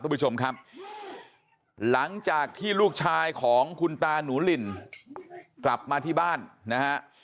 คุณผู้ชมครับหลังจากที่ลูกชายของคุณตาหนูหลินกลับมาที่บ้านนะฮะ